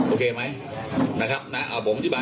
โอเคมั้ยนะครับ